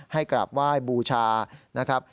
กราบไหว้บูชานะครับ